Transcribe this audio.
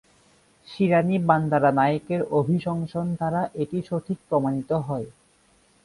শিরানি বান্দারানায়েকের অভিশংসন দ্বারা এটি সঠিক প্রমাণিত হয়।